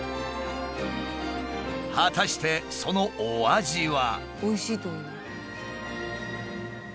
果たしてそのお味は。